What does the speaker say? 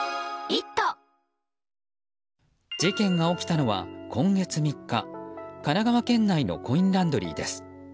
事件が起きたのは今月３日神奈川県内のコインランドリーです。